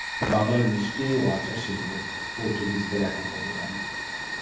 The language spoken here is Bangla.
বাংলার মিষ্টি ও আচার শিল্প পর্তুগিজদের একক অবদান।